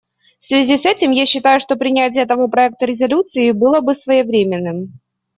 В связи с этим я считаю, что принятие этого проекта резолюции было бы своевременным.